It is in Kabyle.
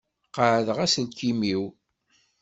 Qaɛdeɣ aselkim-iw.